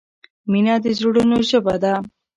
مینه د زړونو ژبه ده.